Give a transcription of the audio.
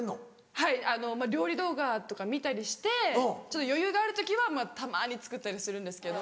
はい料理動画とか見たりしてちょっと余裕がある時はまぁたまに作ったりするんですけど。